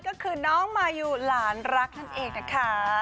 ก็คือน้องมายูหลานรักนั่นเองนะคะ